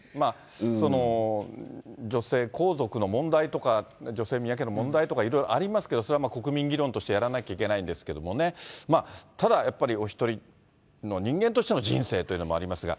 その女性皇族の問題とか、女性宮家の問題とか、いろいろありますけど、それはまあ、国民議論としてやらなきゃいけないんですけれどもね、ただやっぱり、お１人の人間としての人生というのもありますが。